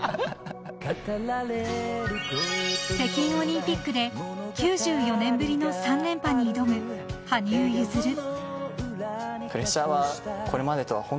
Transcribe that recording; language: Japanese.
［北京オリンピックで９４年ぶりの３連覇に挑む羽生結弦］